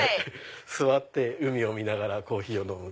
座って海を見ながらコーヒーを飲む。